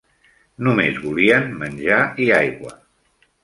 Només volien menjar i aigua.